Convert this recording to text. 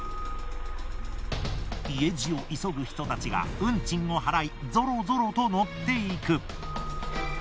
家路を急ぐ人たちが運賃を払いゾロゾロと乗っていく。